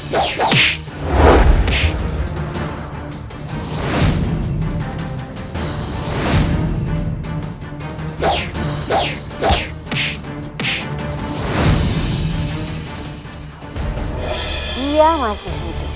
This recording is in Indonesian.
kian santang masih hidup